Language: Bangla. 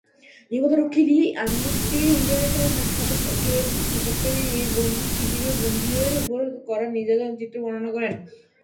নিরাপত্তা রক্ষী লি অ্যামনেস্টি ইন্টারন্যাশনালের সাথে এক সাক্ষাতকারে এই বন্দী শিবিরের বন্দীদের উপর করা নির্যাতনের চিত্র বর্ণনা করেন।